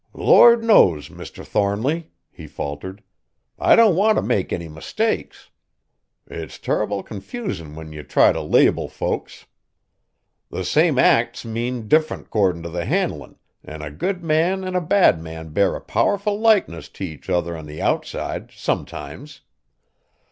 "The Lord knows, Mr. Thornly," he faltered, "I don't want t' make any mistakes. It's turrible confusin' when you try t' label folks. The same acts mean different 'cordin' t' the handlin', an' a good man an' a bad man bear a powerful likeness t' each other on the outside, sometimes.